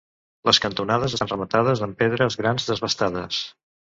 Les cantonades estan rematades amb pedres grans desbastades.